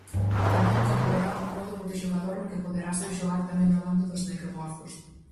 Tamén incorporará un modo multixogador no que poderase xogar tamén no bando dos necromorfos.